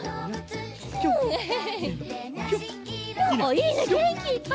いいねげんきいっぱい！